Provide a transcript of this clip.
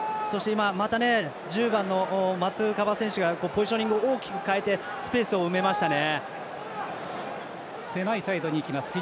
また１０番のマトゥカバ選手がポジショニング大きく変えてスペース埋めましたね。